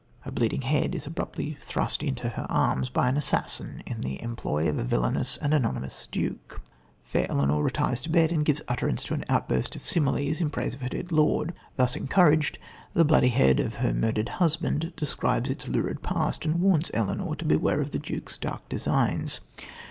A bleeding head is abruptly thrust into her arms by an assassin in the employ of a villainous and anonymous "duke." Fair Elenor retires to her bed and gives utterance to an outburst of similes in praise of her dead lord. Thus encouraged, the bloody head of her murdered husband describes its lurid past, and warns Elenor to beware of the duke's dark designs.